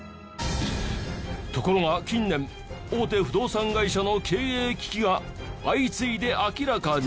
ところが近年大手不動産会社の経営危機が相次いで明らかに。